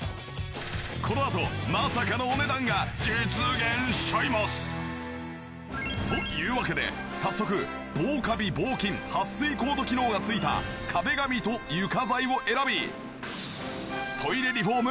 このあとまさかのお値段が実現しちゃいます！というわけで早速防カビ防菌はっ水コート機能が付いた壁紙と床材を選び。